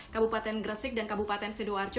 kabupaten gresik dan kabupaten sidoarjo